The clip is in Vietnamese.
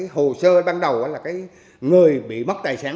hồ sơ ban đầu là người bị mất tài sản